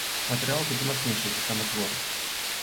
Матэрыял куды мацнейшы за самы твор.